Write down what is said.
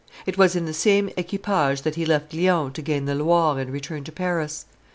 It was in the same equipage that he left Lyons to gain the Loire and return to Paris.